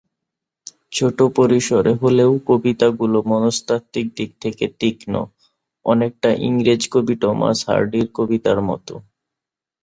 ছোট পরিসরের হলেও কবিতাগুলো মনস্তাত্ত্বিক দিক থেকে তীক্ষ্ণ, অনেকটা ইংরেজ কবি টমাস হার্ডির কবিতার মতো।